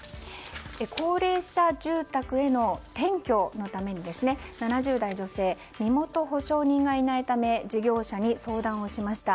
高齢者住宅への転居のために７０代女性身元保証人がいないため事業者に相談をしました。